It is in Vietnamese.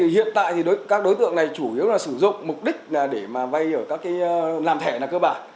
hiện tại các đối tượng này chủ yếu là sử dụng mục đích để vay làm thẻ là cơ bản